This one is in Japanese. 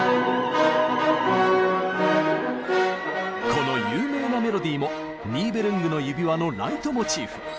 この有名なメロディーも「ニーベルングの指環」のライトモチーフ。